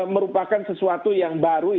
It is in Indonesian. merupakan sesuatu yang baru